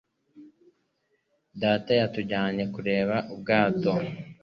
Data yatujyanye kureba ubwato.